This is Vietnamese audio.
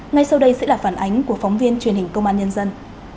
ngay sau đây sẽ là phản ánh của phóng viên truyền hình công an nhân dân